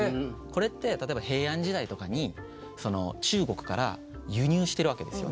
これって例えば平安時代とかに中国から輸入してるわけですよね。